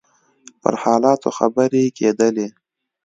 پر حالاتو خبرې کېدلې.